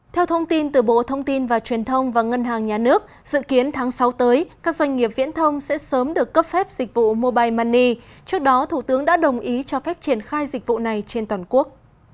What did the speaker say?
theo thông tin từ bộ thông tin và truyền thông và ngân hàng nhà nước dự kiến tháng sáu tới các doanh nghiệp viễn thông sẽ sớm được cấp phép dịch vụ mobile money trước đó thủ tướng đã đồng ý cho phép triển khai dịch vụ này trên toàn quốc